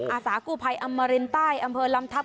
อาสากู้ภัยอมรินใต้อำเภอลำทัพ